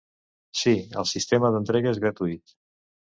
Sí, el sistema d'entrega és gratuït.